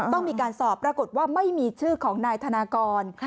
ต้องมีการสอบปรากฏว่าไม่มีชื่อของนายธนากร